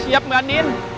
siap mbak nin